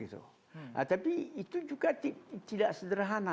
tapi itu juga tidak sederhana